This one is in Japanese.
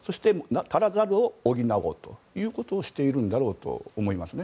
そして、補おうということをしているんだろうと思います。